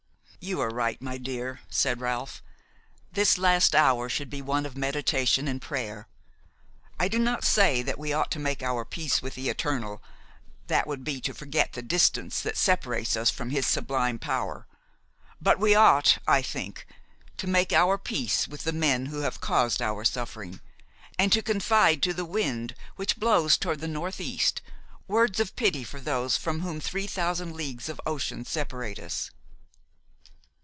"You are right, my dear," said Ralph. "This last hour should be one of meditation and prayer. I do not say that we ought to make our peace with the Eternal, that would be to forget the distance that separates us from His sublime power; but we ought, I think, to make our peace with the men who have caused our suffering, and to confide to the wind which blows toward the north east words of pity for those from whom three thousand leagues of ocean separate us."